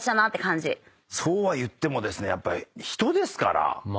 そうは言ってもですねやっぱ人ですから。